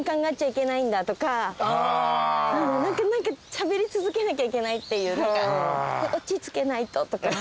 しゃべり続けなきゃいけないっていう。